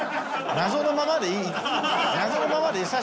謎のままでいい。